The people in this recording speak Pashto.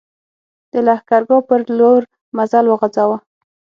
د لښکرګاه پر لور مزل وغځاوه.